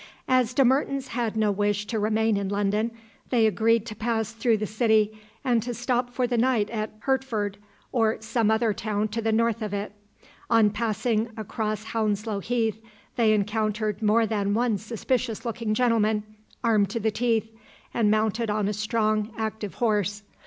As De Mertens had no wish to remain in London, they agreed to pass through the city, and to stop for the night at Hertford, or some other town to the north of it. On passing across Hounslow Heath they encountered more than one suspicious looking gentleman, armed to the teeth, and mounted on a strong active horse.